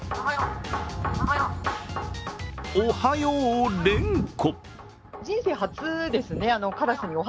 「おはよう」を連呼。